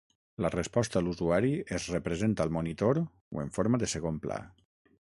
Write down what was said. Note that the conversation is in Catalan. La resposta a l'usuari es representa al monitor o en forma de segon pla.